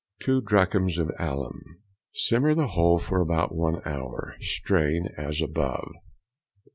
2 drachms of alum. Simmer the whole for about one hour, strain as above.